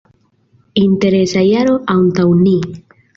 Interesa jaro antaŭ ni.